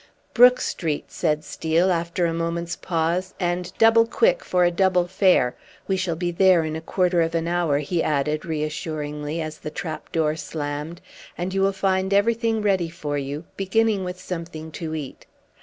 "Brook Street," said Steel, after a moment's pause "and double quick for a double fare. We shall be there in a quarter of an hour," he added reassuringly as the trap door slammed, "and you will find everything ready for you, beginning with something to eat.